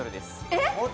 えっ？